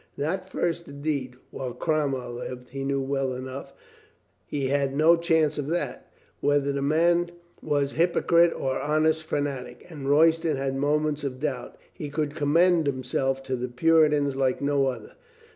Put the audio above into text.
Not first indeed. While Cromwell lived, he knew well enough, he had no chance of that ; whether the man were hypocrite or honest fanatic — and Royston had moments of doubt — he could commend himself to the Puritans like no other.